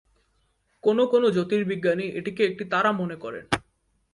কোনও কোনও জ্যোতির্বিজ্ঞানী এটিকে একটি তারা মনে করেন।